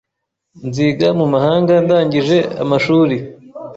Nziga mu mahanga ndangije amashuri